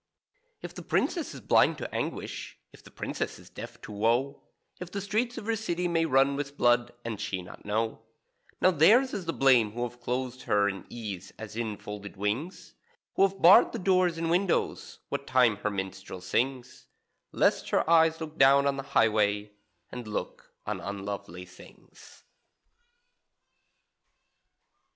If the Princess is blind to anguish, if the Princess is deaf to woe, If the streets of her city may run with blood, and she not know, Now theirs is the blame who have closed her in ease as in folded wings, Who have barred the doors and windows, what time her minstrel sings, Lest her eyes look down on the highway, _And look on unlovely things.